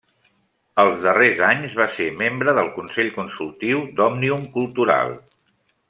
Els darrers anys, va ser membre del consell consultiu d'Òmnium Cultural.